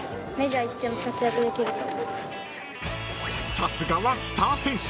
［さすがはスター選手。